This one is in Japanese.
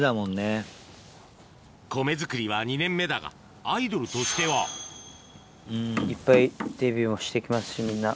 米作りは２年目だがアイドルとしてはいっぱいデビューもして行きますしみんな。